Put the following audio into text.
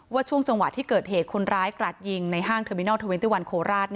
ว่าช่วงจังหวะที่เกิดเหตุคนร้ายกลัดยิงในห้างเทอร์มินัล๒๑โคราส